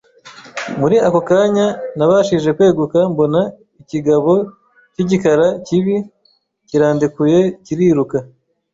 Muri ako kanya, nabashije kweguka mbona ikigabo cy’igikara kibi kirandekuye kiriruka.